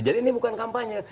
jadi ini bukan kampanye